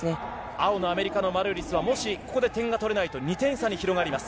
青のアメリカのマルーリスは、ここで点が取れないと、２点差に点が広がります。